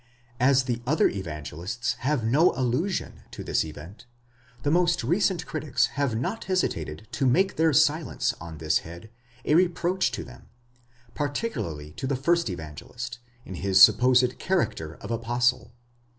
As the other Evangelists have no allusion to this event, the most recent critics have not hesitated to make their silence on this head a reproach to them, particu larly to the first Evangelist, in his supposed character of apostle.